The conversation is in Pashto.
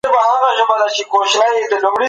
مشران په جرګه کي په پوره غور غوږ نيسي.